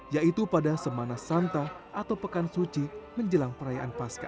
yaitu pada semana santa atau pekan suci menjelang perayaan pasca